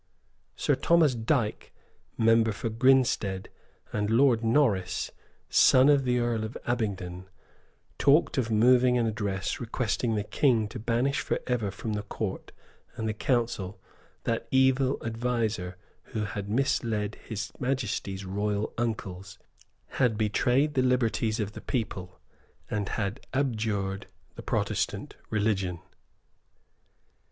Sir Thomas Dyke, member for Grinstead, and Lord Norris, son of the Earl of Abingdon, talked of moving an address requesting the King to banish for ever from the Court and the Council that evil adviser who had misled His Majesty's royal uncles, had betrayed the liberties of the people, and had abjured the Protestant religion.